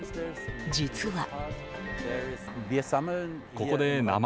実は。